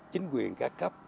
chính quyền ca cấp